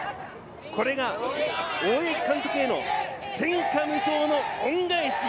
これが大八木監督への天下無双の恩返し。